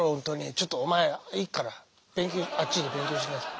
ちょっとお前いいからあっちで勉強しなさい。